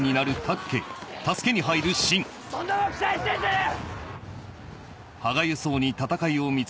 そんなもん期待してんじゃねえ！